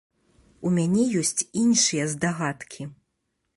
У мяне ёсць іншыя здагадкі.